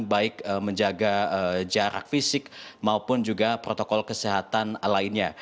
baik menjaga jarak fisik maupun juga protokol kesehatan lainnya